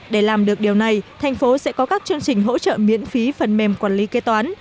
để làm được điều này thành phố sẽ có các chương trình hỗ trợ miễn phí phần mềm quản lý kế toán